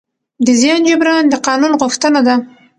د زیان جبران د قانون غوښتنه ده.